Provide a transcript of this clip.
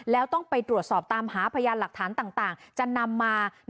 แล้วต้องไปตรวจสอบตามหาพยานหลักฐานต่างจะนำมา